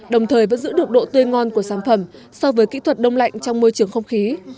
đồng thời vẫn giữ được độ tươi ngon của sản phẩm so với kỹ thuật đông lạnh trong môi trường không khí